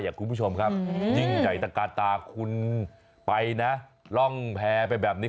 คุณผู้ชมครับยิ่งใหญ่ตะกาตาคุณไปนะร่องแพ้ไปแบบนี้